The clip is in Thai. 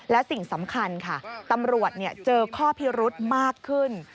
และสิ่งสำคัญค่ะตำรวจเจอข้อพิรุธมากขึ้น